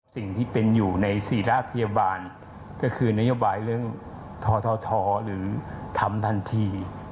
สิ่งที่เป็นอยู่ในศิราชพยาบาลก็คือนโยบายเรื่องททหรือทำทันที